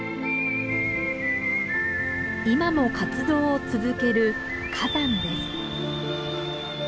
今も活動を続ける火山です。